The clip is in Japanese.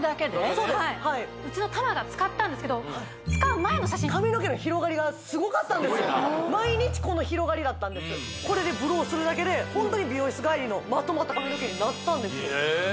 そうですはいうちの玉が使ったんですけど使う前の写真髪の毛の広がりがすごかった毎日この広がりだったんですこれでブローするだけでホントに美容室帰りのまとまった髪の毛になったんですへえ